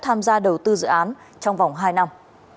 tham gia đầu tư dự án trong vòng hai năm